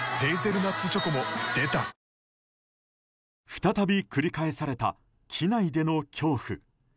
再び繰り返された機内での恐怖。